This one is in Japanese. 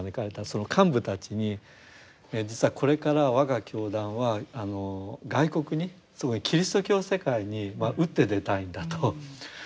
その幹部たちにえ実はこれから我が教団は外国にすごいキリスト教世界に打って出たいんだと。